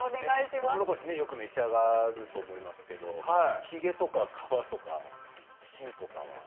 とうもろこしよく召し上がると思いますけどヒゲとか皮とか芯とかは？